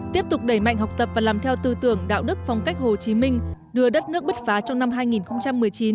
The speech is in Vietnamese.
tiếp tục đẩy mạnh học tập và làm theo tư tưởng đạo đức phong cách hồ chí minh đưa đất nước bứt phá trong năm hai nghìn một mươi chín